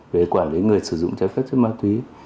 về quản lý người sử dụng trái phép chất ma túy